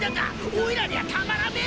おいらにはたまらねえ